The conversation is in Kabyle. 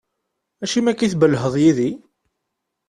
Acimi akka i tbelheḍ yid-i?